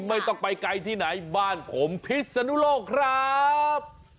ไม่ต้องไปไกลที่ไหนบ้านผมพิศนุโลกครับ